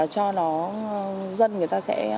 cho dân người ta sẽ